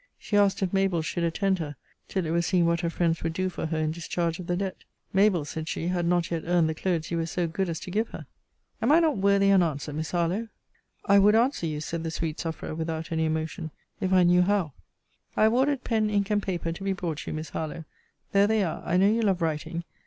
She asked if Mabell should attend her, till it were seen what her friends would do for her in discharge of the debt? Mabell, said she, had not yet earned the clothes you were so good as to give her. Am I not worthy an answer, Miss Harlowe? I would answer you (said the sweet sufferer, without any emotion) if I knew how. I have ordered pen, ink, and paper, to be brought you, Miss Harlowe. There they are. I know you love writing.